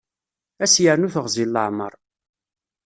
Ad as-yernu teɣzi n leɛmer.